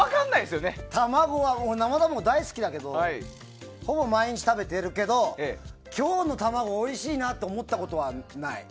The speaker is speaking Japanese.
生卵、大好きだけどほぼ毎日食べてるけど今日の卵おいしいなと思ったことない。